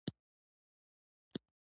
پیسې یې ترې واخستلې